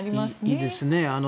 いいですね。